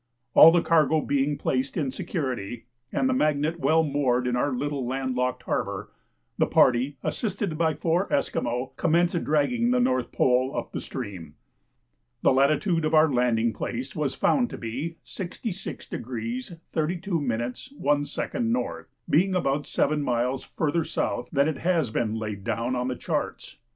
All the cargo being placed in security and the Magnet well moored in our little land locked harbour, the party, assisted by four Esquimaux, commenced dragging the North Pole up the stream. The latitude of our landing place was found to be 66° 32' 1" N., being about seven miles further south than it has been laid down on the charts.